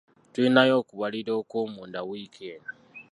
Tulinayo okubalira okw'omunda wiiki eno.